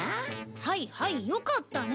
はいはいよかったね。